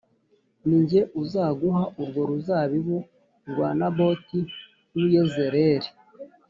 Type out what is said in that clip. Ni jye uzaguha urwo ruzabibu rwa Naboti w’i Yezerēli